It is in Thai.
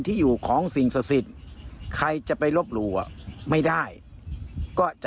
ที่อยู่ของสิ่งศักดิ์สิทธิ์ใครจะไปลบหลู่อ่ะไม่ได้ก็จะ